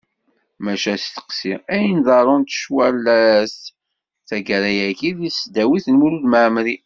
Maca asteqsi: Ayen ḍarrunt cwalat, taggara-agi, deg tesdawit n Mulud Mɛemmri?